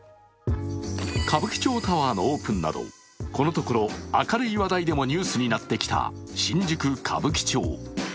歌舞伎町タワーのオープンなどこのところ明るい話題でもニュースになってきた新宿・歌舞伎町。